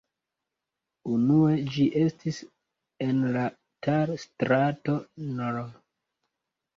Unue ĝi estis en la Tal-strato nr.